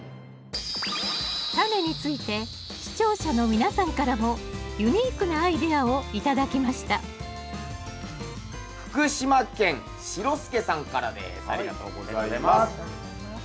タネについて視聴者の皆さんからもユニークなアイデアを頂きました福島県しろすけさんからです。